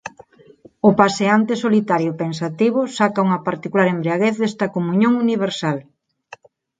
O paseante solitario e pensativo saca unha particular embriaguez desta comuñón universal.